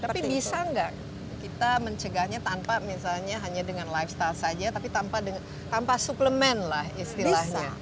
tapi bisa nggak kita mencegahnya tanpa misalnya hanya dengan lifestyle saja tapi tanpa suplemen lah istilahnya